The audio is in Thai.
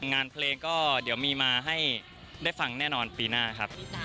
งานเพลงก็เดี๋ยวมีมาให้ได้ฟังแน่นอนปีหน้าครับ